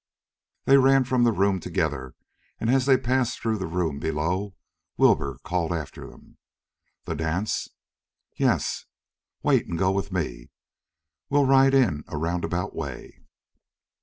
They ran from the room together, and as they passed through the room below Wilbur called after them: "The dance?" "Yes." "Wait and go with me." "We ride in a roundabout way."